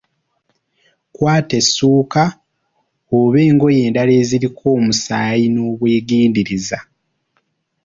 Kwata essuuka oba engoye endala eziriko omusaayi n’obwegendereza.